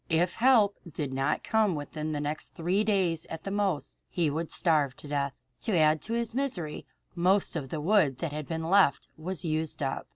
If help did not come within the next three days at the most, he would starve to death. To add to his misery, most of the wood that had been left was used up.